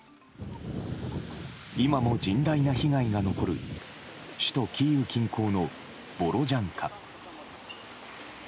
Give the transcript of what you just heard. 今も甚大な被害が残る首都キーウ近郊のボロジャンカ。